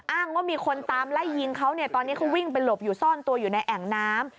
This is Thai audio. ว่ามีคนตามไล่ยิงเขาเนี่ยตอนนี้เขาวิ่งไปหลบอยู่ซ่อนตัวอยู่ในแอ่งน้ำ